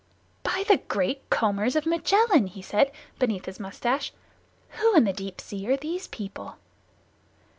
"By the Great Combers of Magellan!" he said, beneath his mustache. "Who in the Deep Sea are these people?"